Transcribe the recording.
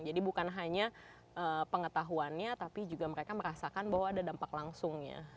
jadi bukan hanya pengetahuannya tapi juga mereka merasakan bahwa mereka bisa berhasil